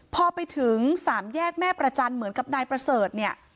พอไปถึงสามแยกแม่ประจันทร์เหมือนกับนายประเสริฐเนี่ย